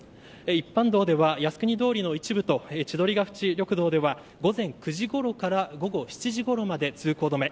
一般道では靖国通りの一部と千鳥ケ淵緑道では午前９時ごろから午後７時ごろまで通行止め。